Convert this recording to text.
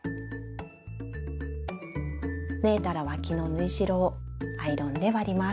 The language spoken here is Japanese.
縫えたらわきの縫い代をアイロンで割ります。